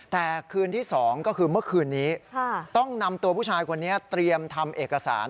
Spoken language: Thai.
แต่คืนที่๒ก็คือเมื่อคืนนี้ต้องนำตัวผู้ชายคนนี้เตรียมทำเอกสาร